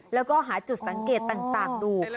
แล้วก็หาจุดสังเกตต่างดู